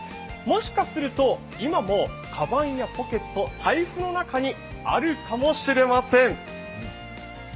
もしかすると今もかばんやポケット、財布の中にあるかもしれません。